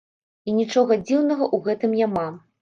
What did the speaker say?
І нічога дзіўнага ў гэтым няма.